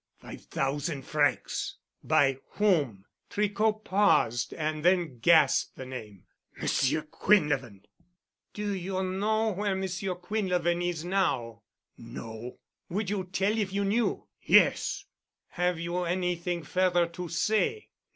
"Five thousand francs." "By whom?" Tricot paused, and then gasped the name. "Monsieur Quinlevin." "Do you know where Monsieur Quinlevin is now?" "No." "Would you tell if you knew?" "Yes." "Have you anything further to say?"